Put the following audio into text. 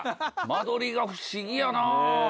間取りが不思議やなぁ。